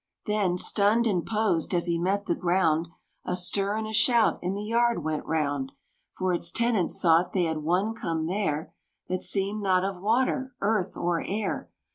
Then, stunned and posed, as he met the ground, A stir and a shout in the yard went round; For its tenants thought they had one come there, That seemed not of water, earth, or air.